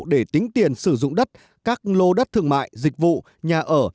để tính tiền sử dụng đất các lô đất thương mại dịch vụ nhà ở